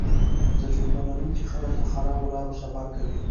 تجربه لرونکي خلک په خرابو لارو سفر کوي